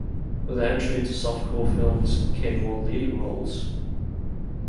With her entry into softcore films came more leading roles.